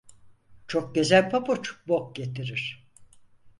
Çok gezen pabuç, bok getirir.